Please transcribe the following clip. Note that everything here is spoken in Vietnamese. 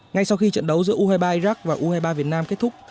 ngay sau khi trận đấu giữa u hai mươi ba iraq và u hai mươi ba việt nam kết thúc